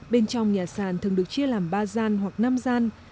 bên trong nhà sàn thường được chia làm ba gian hoặc năm gian